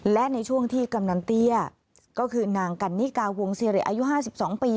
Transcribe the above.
และในช่วงที่กำนันเตี้ยก็คือนางกันนิกาวงศิริอายุ๕๒ปี